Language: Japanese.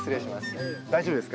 大丈夫です。